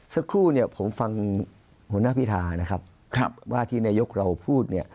สักครู่เนี่ยผมฟังหัวหน้าพิธานะครับว่าที่นายกเราพูดเนี่ย